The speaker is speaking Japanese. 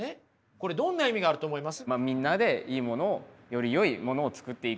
これどんな意味があると思います？